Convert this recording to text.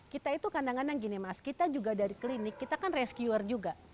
kita itu kadang kadang gini mas kita juga dari klinik kita kan rescuer juga